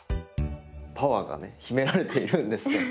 パワーがね秘められているんですね。